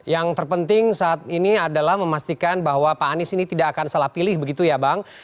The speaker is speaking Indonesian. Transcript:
yang terpenting saat ini adalah memastikan bahwa pak anies ini tidak akan salah pilih begitu ya bang